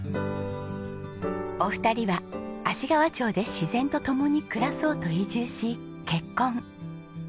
お二人は芦川町で自然と共に暮らそうと移住し結婚。